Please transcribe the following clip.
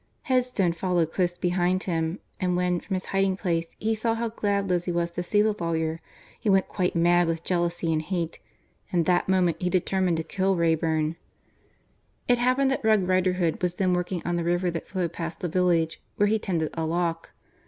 Headstone followed close behind him and when, from his hiding place, he saw how glad Lizzie was to see the lawyer, he went quite mad with jealousy and hate, and that moment he determined to kill Wrayburn. It happened that Rogue Riderhood was then working on the river that flowed past the village, where he tended a lock.